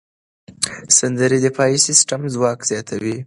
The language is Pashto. سندرې د دفاعي سیستم ځواک زیاتوي.